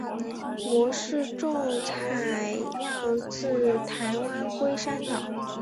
模式种采样自台湾龟山岛。